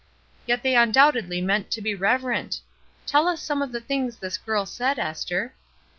Yet they undoubt edly meant to be reverent. Tell us some of the things this girl said, Esther."